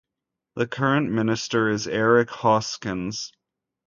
The current minister is Eric Hoskins.